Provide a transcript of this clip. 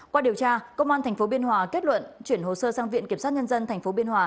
qua điều tra công an tp hcm kết luận chuyển hồ sơ sang viện kiểm soát nhân dân tp hcm